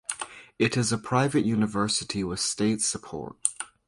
It is a private university with state support.